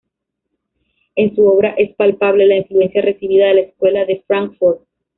En su obra es palpable la influencia recibida de la Escuela de Frankfurt.